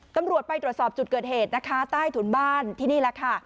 ตำรวจไปตรวจสอบจุดเกิดเหตุนะคะใต้ถุนบ้านที่นี่แหละค่ะ